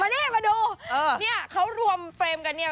นี่มาดูเนี่ยเขารวมเฟรมกันเนี่ย